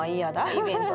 イベントに。